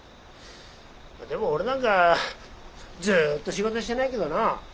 でも俺なんかずっと仕事してないけどな。